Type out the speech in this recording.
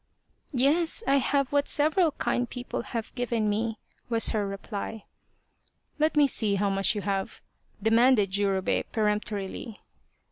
Yes, I have what several kind people have given me," was her reply. " Let me see how much you have ?" demanded Jurobei peremptorily.